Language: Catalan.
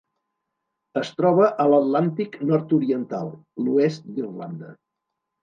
Es troba a l'Atlàntic nord-oriental: l'oest d'Irlanda.